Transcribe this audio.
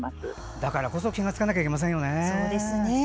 だからこそ気が付かないといけませんね。